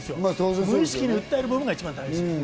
無意識に訴える部分が一番大事。